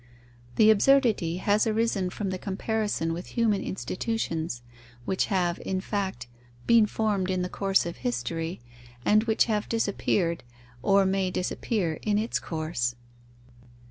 The absurdity has arisen from the comparison with human institutions, which have, in fact, been formed in the course of history, and which have disappeared or may disappear in its course.